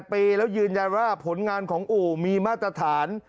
ปีแล้วยืนยันว่าผลงานของอู่มีมาตรฐาน